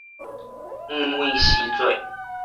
黃梅時節